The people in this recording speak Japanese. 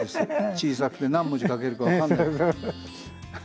小さくて何文字書けるか分かんない。